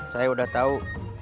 saya udah tau